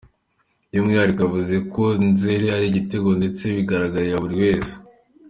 By’umwihariko yavuze ko Nzere ‘ari igitego ndetse bigaragarira buri wese’.